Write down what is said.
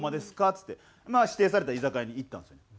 っつってまあ指定された居酒屋に行ったんですよね。